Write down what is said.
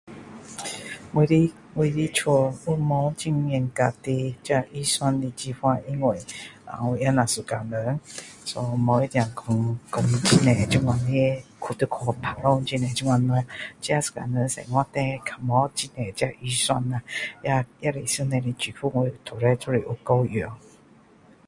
我的我的家是没很严格的这预算计划因为呃我也只有一个人 so 不一定说很多这样的去打算很多这样自己一个人生活叻较没有这么多这样的预算啦也是上帝的祝福每次都是有够用